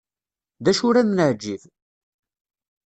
D acu ur am-neɛǧib?